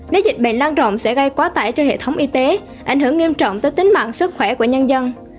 nếu dịch bệnh lan rộng sẽ gây quá tải cho hệ thống y tế ảnh hưởng nghiêm trọng tới tính mạng sức khỏe của nhân dân